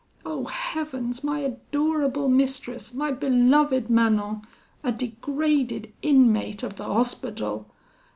Oh heavens! my adorable mistress, my beloved Manon, a degraded inmate of the Hospital!